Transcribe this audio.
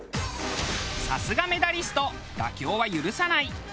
さすがメダリスト妥協は許さない。